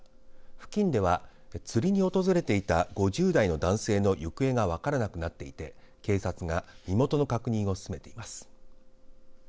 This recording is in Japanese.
付近では釣りに訪れていた５０代の男性の行方が分からなくなっていて警察が身元の確認を進めています。